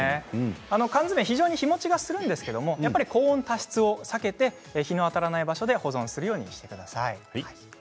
缶詰は非常に日もちするんですが高温多湿を避けて日が当たらない場所で保存するようにしてください。